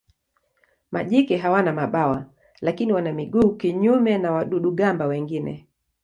Majike hawana mabawa lakini wana miguu kinyume na wadudu-gamba wengine.